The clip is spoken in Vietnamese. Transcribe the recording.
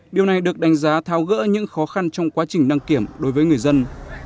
điều này được đánh giá thao gỡ những khó khăn trong quá trình đăng kiểm đối với người dân